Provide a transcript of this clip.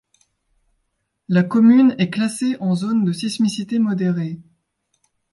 La commune est classée en zone de sismicité modérée.